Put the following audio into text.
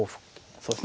そうですね